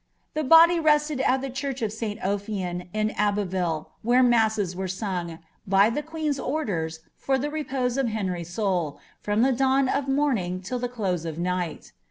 Tile body ' rr^trd at ilie church o( St. OlFian, in Abbeville, where masses were sung* by the queen's order*, for the repose of Henry's soul, from ihe dawn of Bioniirig till the close of night.